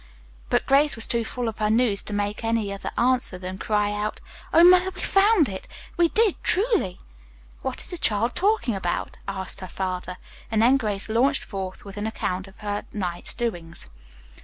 But Grace was too full of her news to make other answer than cry out: "Oh, mother, we found it! We did, truly!" "What is the child talking about?" asked her father. And then Grace launched forth with an account of her night's doings.